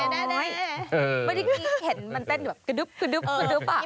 ไม่ได้กลิ่นเห็นมันแต้นแบบก็ดุ๊บอ่ะ